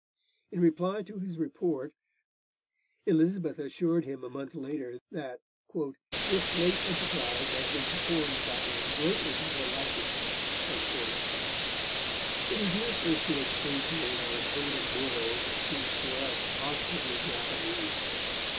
In reply to his report, Elizabeth assured him a month later that 'this late enterprise had been performed by him greatly to her liking.' It is useless to expatiate on a code of morals that seems to us positively Japanese.